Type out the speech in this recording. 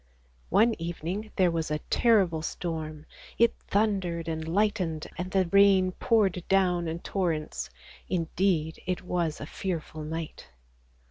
One evening there was a terrible storm; it thundered and lightened and the rain poured down in torrents; indeed it was a fearful night.